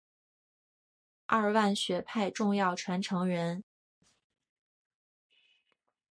二万学派重要传承人。